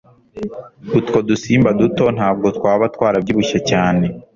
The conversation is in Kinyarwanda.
utwo dusimba duto ntabwo twaba twarabyibushye cyane"